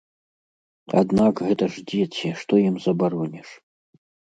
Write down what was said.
Аднак гэта ж дзеці, што ім забароніш?